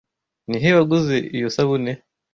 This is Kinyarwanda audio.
Ni he waguze iyo sabune?